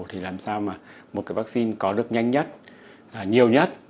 thì làm sao mà một cái vaccine có được nhanh nhất nhiều nhất